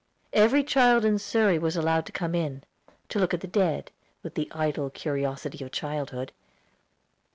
Every child in Surrey was allowed to come in, to look at the dead, with the idle curiosity of childhood.